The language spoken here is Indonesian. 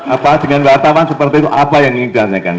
apa dengan wartawan seperti itu apa yang ingin dirasakan